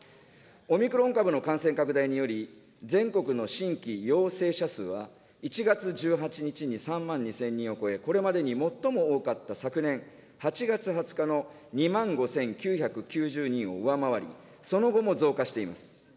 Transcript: オミクロン株の感染拡大により、全国の新規陽性者数は、１月１８日に３万２０００人を超え、これまでに最も多かった昨年８月２０日の２万５９９０人を上回り、その後も増加しています。